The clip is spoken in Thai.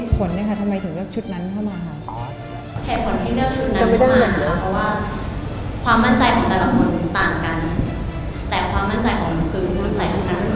แต่ความมั่นใจของหนูคือหนูใส่ชุดนั้นถ้าหนูสวยหนูจะใส่